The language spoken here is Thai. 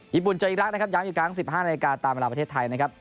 ญี่ปุ่นจะอีกลักษณ์นะครับย้ำอยู่กลาง๑๕นาฬิกาตามลาประเทศไทยนะครับ